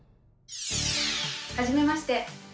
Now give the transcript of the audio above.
はじめまして。